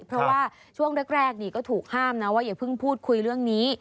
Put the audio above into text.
เพราะว่าช่วงแรกนี่ก็ถูกห้ามนะว่าอย่าเพิ่งพูดคุยเรื่องนี้